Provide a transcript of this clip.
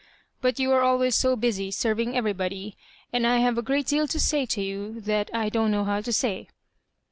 " But you are always so busy .serving everybody. And I have a great deal to say to you that I don't know how to say."